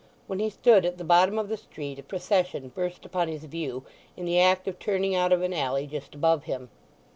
When he stood at the bottom of the street a procession burst upon his view, in the act of turning out of an alley just above him.